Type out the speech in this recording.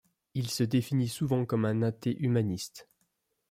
Il se définit souvent comme un athée humaniste.